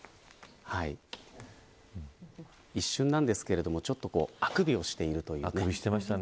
一瞬なんですけれどもあくびをしているというね。